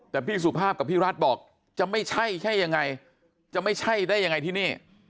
แต่พี่สุภาพกับพี่รัฐบอกจะไม่ใช่ใช่ยังไงจะไม่ใช่ได้ยังไงที่นี่